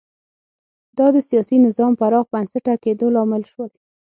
دا د سیاسي نظام پراخ بنسټه کېدو لامل شول